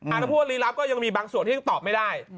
อันตรายพูดว่าลีลับก็ยังมีบางส่วนที่ตอบไม่ได้